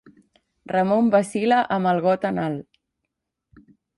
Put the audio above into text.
Ramon vacil·la amb el got en alt.